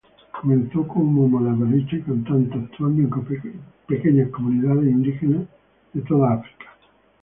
Comenzó como malabarista y cantante, actuando en pequeñas comunidades indígenas de toda África.